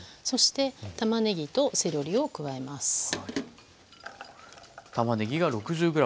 そしてたまねぎとセロリを加えます。